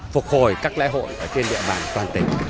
phục hồi các lễ hội ở trên địa bàn toàn tỉnh